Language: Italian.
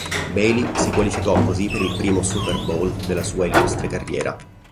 Bailey si qualificò così per il primo Super Bowl della sua illustre carriera.